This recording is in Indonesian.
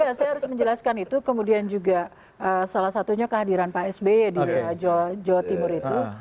ya saya harus menjelaskan itu kemudian juga salah satunya kehadiran pak sby di jawa timur itu